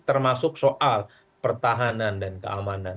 termasuk soal pertahanan dan keamanan